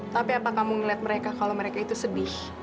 tapi apa kamu ngeliat mereka kalau mereka itu sedih